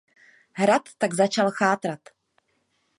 Hrad tak začal chátrat.